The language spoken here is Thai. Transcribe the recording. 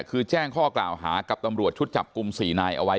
คือแจ้งข้อกล่าวหากับตำรวจชุดจับกลุ่ม๔นายเอาไว้